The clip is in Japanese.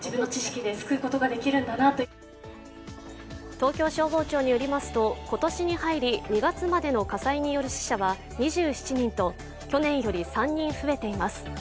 東京消防庁によりますと今年に入り２月までの火災による死者は２７人と去年より３人増えています。